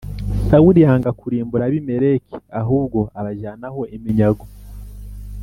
Sawuli yanga kurimbura abimeleki ahubwo abajyanaho iminyago